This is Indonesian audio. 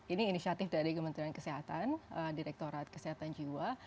ini inisiatif dari kementerian kesehatan direkturat kesehatan jiwa